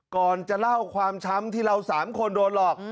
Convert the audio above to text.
ก่อนจะเล่าความช้ำที่เรา๓คนโดนหลอก